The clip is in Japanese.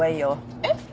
えっ？